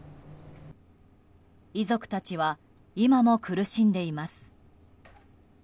遺族たちは今も苦しんでいます。